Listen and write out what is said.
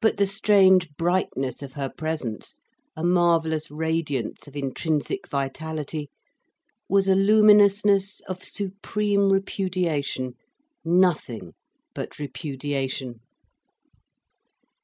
But the strange brightness of her presence, a marvellous radiance of intrinsic vitality, was a luminousness of supreme repudiation, nothing but repudiation.